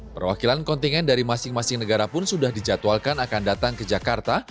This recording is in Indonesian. perwakilan kontingen dari masing masing negara pun sudah dijadwalkan akan datang ke jakarta